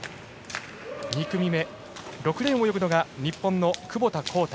２組目、６レーンを泳ぐのが日本の窪田幸太。